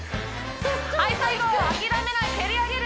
はい最後諦めない蹴り上げる